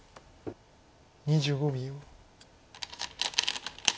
２５秒。